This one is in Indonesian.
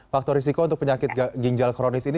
faktor risiko untuk penyakit ginjal kronis ini